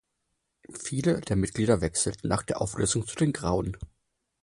Viele der Mitglieder wechselten nach der Auflösung zu den Grauen.